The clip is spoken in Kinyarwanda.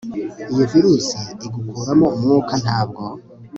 iyi virusi igukuramo umwuka, ntabwo